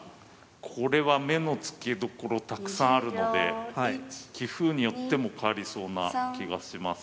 これは目の付けどころたくさんあるので棋風によっても変わりそうな気がします。